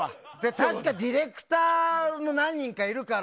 確かにディレクターも何人かいるから。